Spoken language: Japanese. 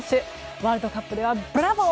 ワールドカップではブラボー！